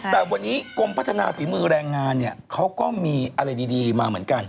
แต่วันนี้กรมพัฒนาฝีมือแรงงานเนี่ยเขาก็มีอะไรดีมาเหมือนกัน